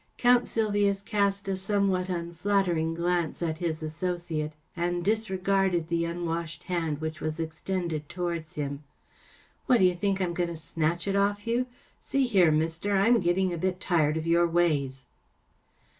C OUNT SYLVIUS cast a somewhat unflattering glance at his associate, and disregarded the unwashed hand which was extended towards him. What‚ÄĒd‚Äôye think I’m going to snatch it off you ? See here, mister, I’m getting a bit tired of your ways.